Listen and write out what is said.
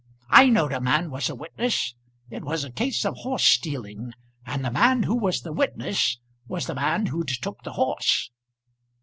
I knowed a man was a witness; it was a case of horse stealing; and the man who was the witness was the man who'd took the horse."